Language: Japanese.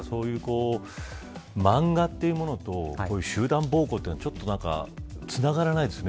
漫画というものと集団暴行はちょっとつながらないですね